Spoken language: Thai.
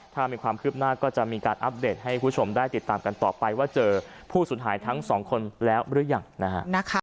ถ้ามีความคืบหน้าก็จะมีการอัปเดตให้คุณผู้ชมได้ติดตามกันต่อไปว่าเจอผู้สูญหายทั้งสองคนแล้วหรือยังนะฮะ